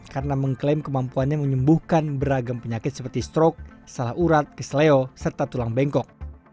karena mengklaim kemampuannya menyembuhkan beragam penyakit seperti stroke salah urat kesleo serta tulang bengkok